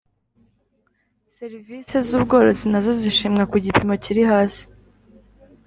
serivisi z ubworozi nazo zishimwa ku gipimo kiri hasi